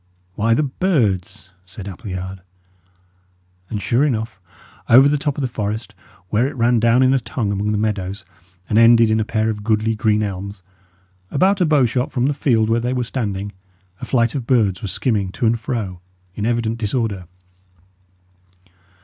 "Why, the birds," said Appleyard. And, sure enough, over the top of the forest, where it ran down in a tongue among the meadows, and ended in a pair of goodly green elms, about a bowshot from the field where they were standing, a flight of birds was skimming to and fro, in evident disorder.